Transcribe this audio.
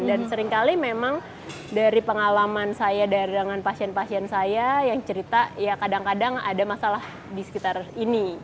seringkali memang dari pengalaman saya dengan pasien pasien saya yang cerita ya kadang kadang ada masalah di sekitar ini